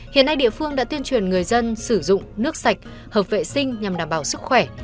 hiện nay địa phương đã tuyên truyền người dân sử dụng nước sạch hợp vệ sinh nhằm đảm bảo sức khỏe